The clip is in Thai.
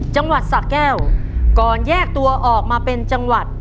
จังหวัดสะแก้วก่อนแยกตัวออกมาเป็นจังหวัด